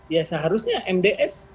ya seharusnya mds